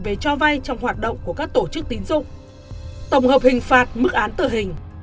về cho vay trong hoạt động của các tổ chức tín dụng tổng hợp hình phạt mức án tử hình